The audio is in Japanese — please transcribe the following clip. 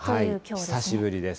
久しぶりです。